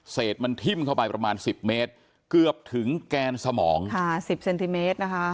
เสร็จมันทิ้มเข้าไปประมาณสิบเมตรเกือบถึงแกนสมองค่ะสิบเซนติเมตรนะคะ